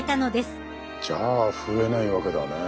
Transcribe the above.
じゃあ増えないわけだね